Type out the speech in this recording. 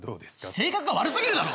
性格が悪すぎるだろ！